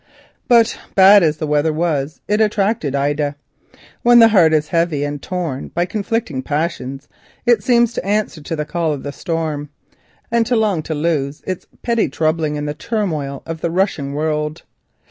But bad as was the weather, it attracted Ida. When the heart is heavy and torn by conflicting passions, it seems to answer to the calling of the storm, and to long to lose its petty troubling in the turmoil of the rushing world.